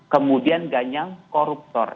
kemudian ganyang koruptor